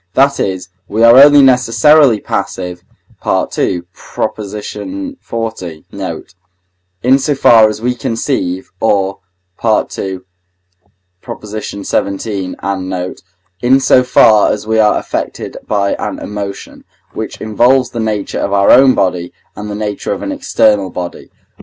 that is, we are only necessarily passive (II. xl. note), in so far as we conceive, or (II. xvii. and note) in so far as we are affected by an emotion, which involves the nature of our own body, and the nature of an external body.